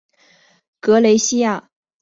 格雷西尼亚克小教堂人口变化图示